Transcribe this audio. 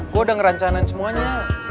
gue udah ngerancanain semuanya